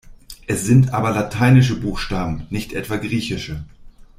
Es sind aber lateinische Buchstaben, nicht etwa griechische.